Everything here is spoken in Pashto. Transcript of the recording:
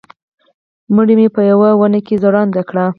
مړی یې په یوه ونه کې ځوړند کړ.